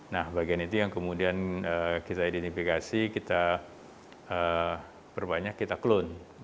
nah bagian itu yang kemudian kita identifikasi kita perbanyak kita clone